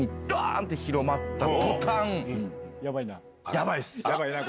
ヤバいっす。